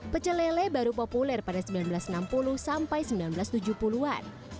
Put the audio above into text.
pecelele baru populer pada seribu sembilan ratus enam puluh sampai seribu sembilan ratus tujuh puluh an